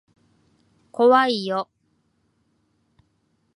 怖いよ。